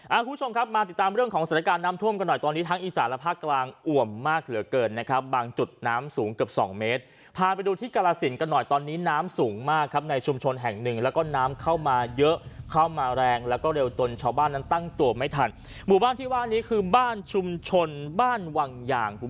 คุณผู้ชมครับมาติดตามเรื่องของสถานการณ์น้ำท่วมกันหน่อยตอนนี้ทั้งอีสานและภาคกลางอ่วมมากเหลือเกินนะครับบางจุดน้ำสูงเกือบสองเมตรพาไปดูที่กรสินกันหน่อยตอนนี้น้ำสูงมากครับในชุมชนแห่งหนึ่งแล้วก็น้ำเข้ามาเยอะเข้ามาแรงแล้วก็เร็วจนชาวบ้านนั้นตั้งตัวไม่ทันหมู่บ้านที่ว่านี้คือบ้านชุมชนบ้านวังอย่างคุณผู้ชม